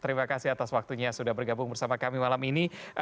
terima kasih atas waktunya sudah bergabung bersama kami malam ini